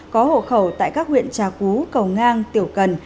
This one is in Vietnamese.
có hộ khẩu tại các huyện trà cú cầu ngang tiểu cần